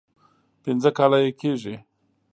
پنځه کاله یې کېږي.